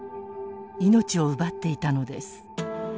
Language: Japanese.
命を奪っていたのです。